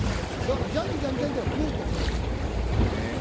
だから、じゃんじゃんじゃんじゃん増えると思うよ。